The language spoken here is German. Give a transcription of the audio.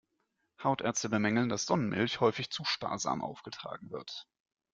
Hautärzte bemängeln, dass Sonnenmilch häufig zu sparsam aufgetragen wird.